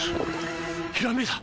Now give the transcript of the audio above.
ひらめいた！